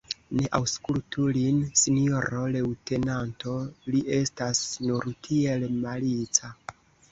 Ne aŭskultu lin, sinjoro leŭtenanto, li estas nur tiel malica.